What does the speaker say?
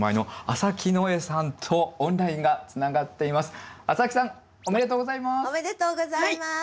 浅木さんおめでとうございます！